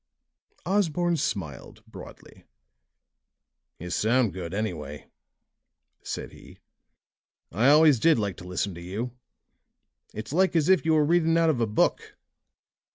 Osborne smiled broadly. "You sound good, anyway," said he. "I always did like to listen to you. It's like as if you were reading out of a book.